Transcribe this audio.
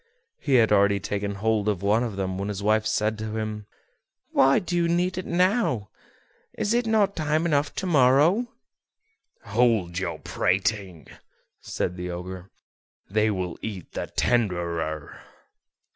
He had already taken hold of one of them when his wife said to him: "Why need you do it now? Is it not time enough to morrow?" "Hold your prating," said the Ogre; "they will eat the tenderer.